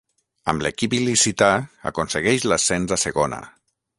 Amb l'equip il·licità aconsegueix l'ascens a Segona.